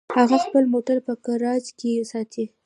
هغه خپل موټر په ګراج کې ساتي